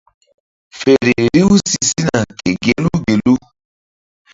Feri riw si sina ke gelu gelu.